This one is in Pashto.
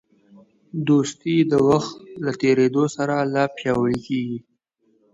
دوستي د وخت له تېرېدو سره لا پیاوړې کېږي.